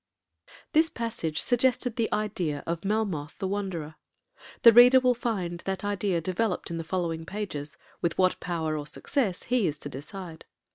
This passage suggested the idea of 'Melmoth the Wanderer.' The Reader will find that idea developed in the following pages, with what power or success he is to decide.